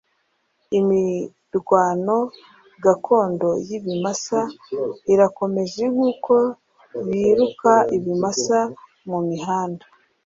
Imirwano gakondo yibimasa irakomeje nkuko biruka ibimasa mumihanda